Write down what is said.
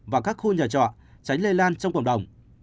và các khu nhà trọ tránh lây lan trong cộng đồng